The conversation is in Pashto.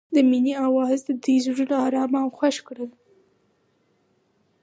د مینه اواز د دوی زړونه ارامه او خوښ کړل.